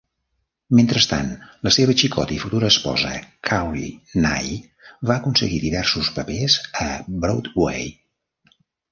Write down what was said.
Mentrestant, la seva xicota i futura esposa Carrie Nye va aconseguir diversos papers a Broadway.